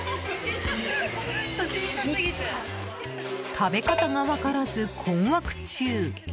食べ方が分からず、困惑中。